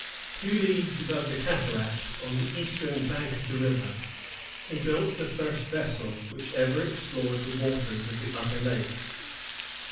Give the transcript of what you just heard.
Two leagues above the cataract, on the eastern bank of the river, he built the first vessel which ever explored the waters of the upper lakes.